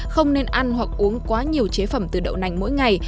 không nên ăn hoặc uống quá nhiều chế phẩm từ đậu nành mỗi ngày